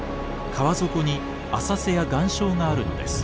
川底に浅瀬や岩礁があるのです。